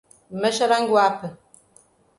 Maxaranguape